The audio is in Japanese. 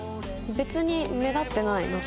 別に目立ってない納豆。